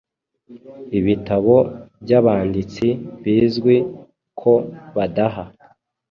ibitabo by’abanditsi bizwi ko badaha